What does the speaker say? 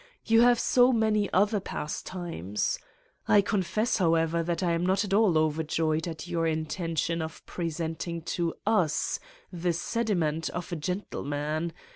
... You have so many other pastimes! I confess, however, that I am not at all overjoyed at your intention of pre senting to usjfche sediment of a gentleman.